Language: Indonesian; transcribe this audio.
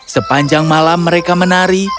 sepanjang malam mereka menari